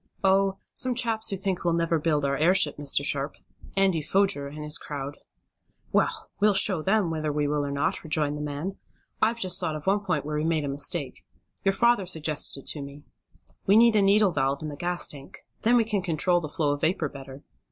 "Oh, some chaps who think we'll never build our airship, Mr. Sharp. Andy Foger, and his crowd." "Well, we'll show them whether we will or not," rejoined the man. "I've just thought of one point where we made a mistake. Your father suggested it to me. We need a needle valve in the gas tank. Then we can control the flow of vapor better."